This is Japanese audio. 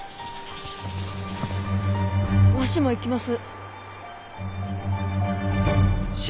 わしも行きます。